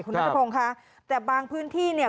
คุณนัทพงศ์ค่ะแต่บางพื้นที่เนี่ย